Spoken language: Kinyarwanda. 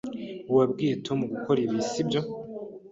Wabwiye Tom gukora ibi, sibyo?